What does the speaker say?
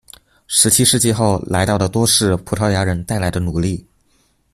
十七世纪后来到的多是葡萄牙人带来的奴隶。